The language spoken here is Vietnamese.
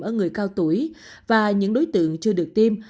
ở người cao tuổi và những đối tượng chưa được tiêm